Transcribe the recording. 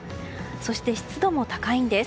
そして湿度も高いんです。